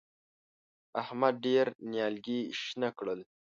احمد ډېر نيالګي شنه کړل.